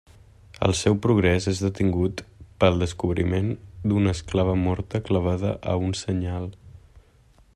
El seu progrés és detingut pel descobriment d'una esclava morta clavada a un senyal.